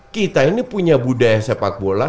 kita ini punya budaya sepak bola